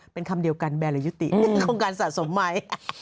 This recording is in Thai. เป็นคำเดียวกันแบรยุติต้องการสะสมไหม